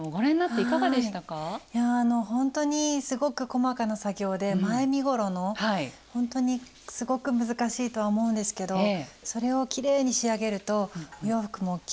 いやほんとにすごく細かな作業で前身ごろのほんとにすごく難しいとは思うんですけどそれをきれいに仕上げるとお洋服もきっちり着れる感じがしました。